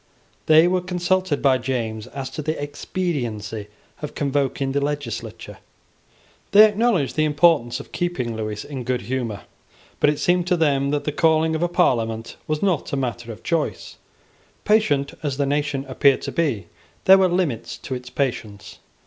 They were consulted by James as to the expediency of convoking the legislature. They acknowledged the importance of keeping Lewis in good humour: but it seemed to them that the calling of a Parliament was not a matter of choice. Patient as the nation appeared to be, there were limits to its patience.